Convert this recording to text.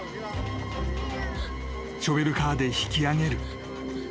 ［ショベルカーで引き上げる］